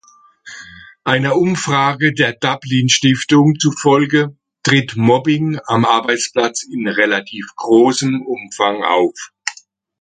Einer Umfrage der Dublin-Stiftung zufolge tritt Mobbing am Arbeitsplatz in relativ großem Umfang auf.